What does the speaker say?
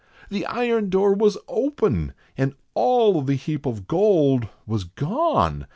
The iron door was open, and all the heap of gold Was gone!